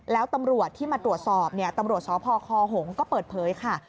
แล้วตำรวจที่มาตรวจสอบตำรวจสพคหงก็เปิดเผยค่ะ